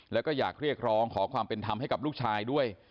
แล้วก็อยากเรียกร้องขอความเป็นธรรมให้กับลูกชายด้วย